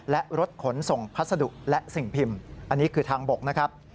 และรถขนส่งพัสดุและสิ่งพิมพ์อันนี้คือทางบกนะครับ